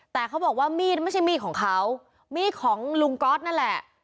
แต่เขาบอกว่ามีดไม่ใช่มีดของเขามีดของลุงก๊อตนั่นแหละ